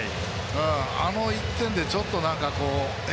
あの１点で、ちょっとえ？